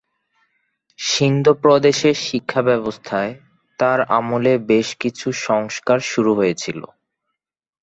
সিন্ধ প্রদেশের শিক্ষাব্যবস্থায় তাঁর আমলে বেশ কিছু সংস্কার শুরু হয়েছিল।